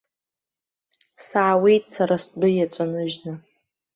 Саауеит сара сдәы иаҵәа ныжьны.